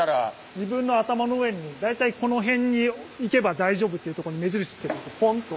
自分の頭の上に大体この辺にいけば大丈夫っていうとこに目印つけといてポンと。